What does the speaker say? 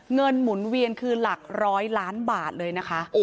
หมุนเวียนคือหลักร้อยล้านบาทเลยนะคะ